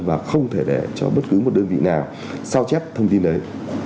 và không thể để cho bất cứ một đơn vị nào sao chép thông tin đấy